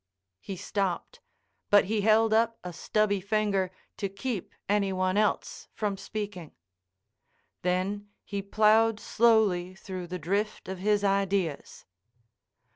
He stopped, but he held up a stubby finger to keep any one else from speaking. Then he plowed slowly through the drift of his ideas.